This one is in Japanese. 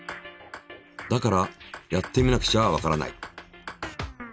だからやってみなくちゃわからない。